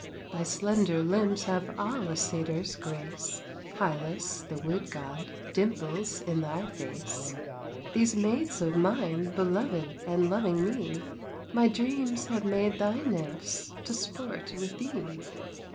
Thy slender limbs have all a Satyr's grace, Hylas, the Wood God, dimples in thy face; These maids of mine, beloved and loving me, My dreams have made thy Nymphs to sport with thee.